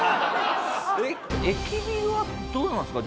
駅ビルはどうなんですか？